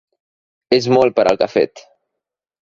És molt per al que ha fet.